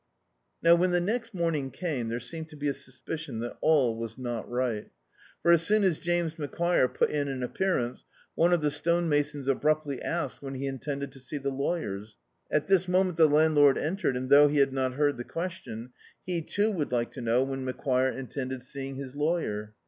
Now when the next morning came there seemed to be a suspicion that all was not righL For, as soon as James Macquire put in an appearance, cme of the stonemasons abruptly asked when he intended to see the lawyer. At this moment the landlord en tered, and, thou^ he had not heard the question, he too, would like to know when Macquire intended seeing his lawyer.